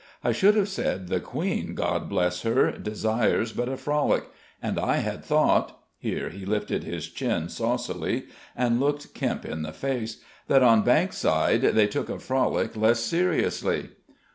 "I should have said the Queen God bless her! desires but a frolic. And I had thought" here he lifted his chin saucily and looked Kempe in the face "that on Bankside they took a frolic less seriously."